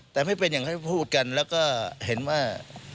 แต่ไม่เป็นอย่างที่พูดกันแล้วก็เห็นว่า